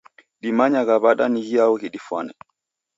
Dimanyagha w'ada ni ghiao ghidifwane?